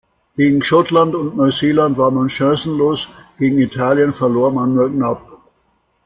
Gegen Schottland und Neuseeland war man chancenlos, gegen Italien verlor man nur knapp.